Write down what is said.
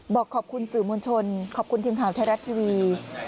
บอกขอบคุณสื่อมวลชนขอบคุณทีมข่าวไทยรัฐทีวี